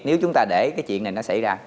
nếu chúng ta để cái chuyện này nó tăng lên